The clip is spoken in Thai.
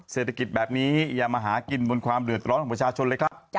เศรษฐกิจแบบนี้อย่ามาหากินบนความเดือดร้อนของประชาชนเลยครับ